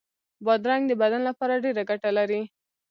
بادرنګ د بدن لپاره ډېره ګټه لري.